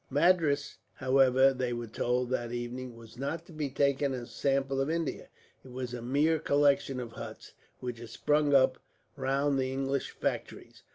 Madras, however, they were told that evening, was not to be taken as a sample of India. It was a mere collection of huts, which had sprung up round the English factories.